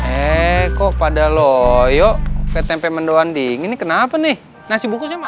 eh kok pada loyo ke tempe mendoan dingin kenapa nih nasi bungkusnya